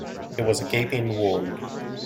It was a gaping wound.